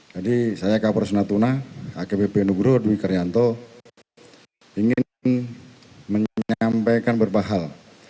jadi saya kapolres natuna akbp nugroh dwi karyanto ingin menyampaikan berbahal